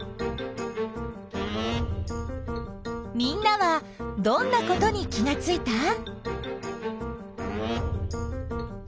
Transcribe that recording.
みんなはどんなことに気がついた？